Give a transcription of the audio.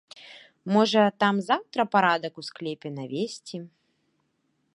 Можа, там заўтра парадак у склепе навесці.